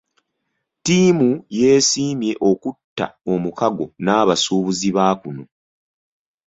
Ttiimu yeesiimye okutta omukago n'abasuubuzi ba kuno.